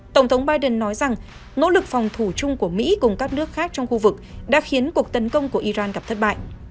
tổng thống biden nói rằng nỗ lực phòng thủ chung của mỹ cùng các nước khác trong khu vực đã khiến cuộc tấn công của iran gặp thất bại